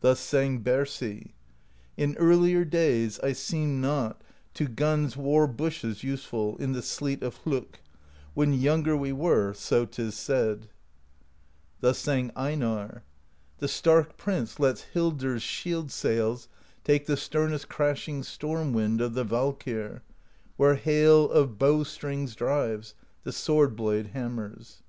Thus sang Bersi: In earlier days I seemed not To Gunn's War Bushes useful In the Sleet of Hlokk, when younger We were: so 't is said. k i82 PROSE EDDA Thus sang Einarr: The stark prince lets Hildr's Shield Sails Take the sternest crashing Storm Wind Of the Valkyr, where hail of bow strings Drives; the sword blade hammers.